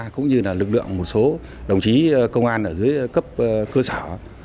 cũng như là lực lượng một số đồng chí công an ở dưới cấp cơ sở